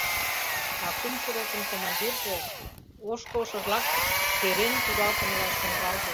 А кумшо ротын командирже ошкылшыжлак перен кудалтымыла шуҥгалте.